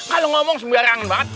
kalau ngomong sembarangan banget